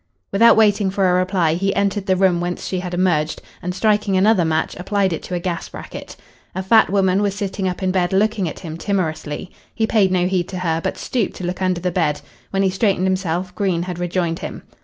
Without waiting for a reply he entered the room whence she had emerged and, striking another match, applied it to a gas bracket. A fat woman was sitting up in bed looking at him timorously. He paid no heed to her, but stooped to look under the bed. When he straightened himself Green had rejoined him.